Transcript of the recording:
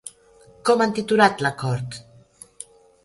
Com han titulat l'acord?